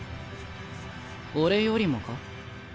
俺よりもか？